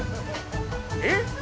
えっ？